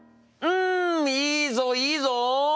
うんいいぞいいぞ！